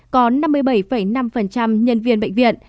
có năm mươi bảy năm nhân viên bệnh viện đã trải qua nhân viên y tế trầm cảm